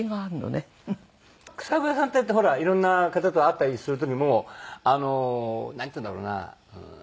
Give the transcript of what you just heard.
草笛さんってほらいろんな方と会ったりする時もあのなんていうんだろうな。